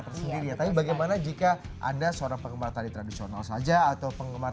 tersendiri tapi bagaimana jika ada seorang penggemar tadi tradisional saja atau penggemar